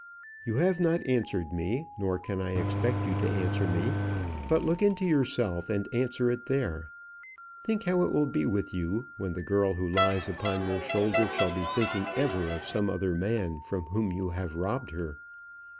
You have not answered me, nor can I expect you to answer me; but look into yourself and answer it there. Think how it will be with you, when the girl who lies upon your shoulder shall be thinking ever of some other man from whom you have robbed her.